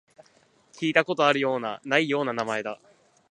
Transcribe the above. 聞いたことあるような、ないような名前だ